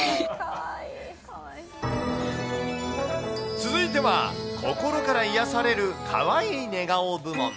続いては、心から癒やされるかわいい寝顔部門。